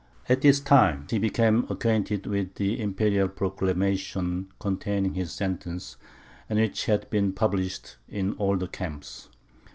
At this time, he became acquainted with the Imperial proclamations containing his sentence, and which had been published in all the camps.